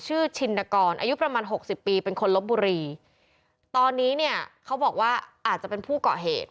ชินกรอายุประมาณหกสิบปีเป็นคนลบบุรีตอนนี้เนี่ยเขาบอกว่าอาจจะเป็นผู้เกาะเหตุ